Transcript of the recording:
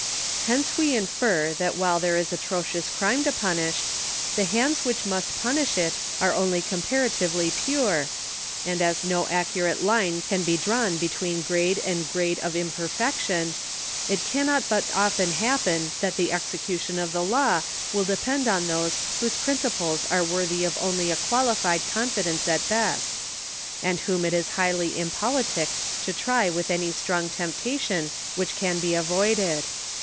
Hence we infer that while there is atrocious crime to punish, the hands which must punish it are only comparatively pure, and as no accurate line can be drawn between grade and grade of imper fection, it cannot but often happen that the execution of the law will depend on those whose principles are worthy of only a quali fied confidence at best ;— and whom it is highly impolitic to try with any strong temptation which can be avoided.